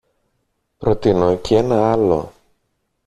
Προτείνω κι ένα άλλο.